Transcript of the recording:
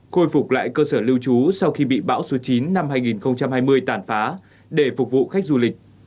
khôi phục lại cơ sở lưu trú sau khi bị bão số chín năm hai nghìn hai mươi tàn phá để phục vụ khách du lịch